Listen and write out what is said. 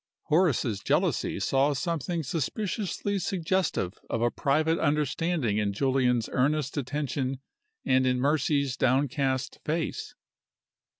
Horace's jealousy saw something suspiciously suggestive of a private understanding in Julian's earnest attention and in Mercy's downcast face.